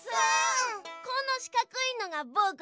このしかくいのがぼくのなのだ。